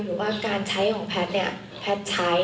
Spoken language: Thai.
หรือการใช้ของพัฒน์พัฒน์ใช้